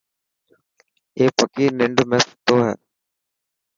اي پڪي ننڊ ۾ ستو تو.